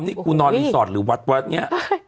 นี่กูนอนรีสอร์ทหรือวัดวัดเนี่ย